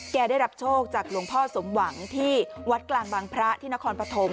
ได้รับโชคจากหลวงพ่อสมหวังที่วัดกลางบางพระที่นครปฐม